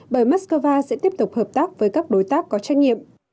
bởi moscow sẽ tiếp tục hợp tác với các đối tác có trách nhiệm